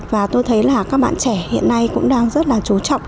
và tôi thấy là các bạn trẻ hiện nay cũng đang rất là chú trọng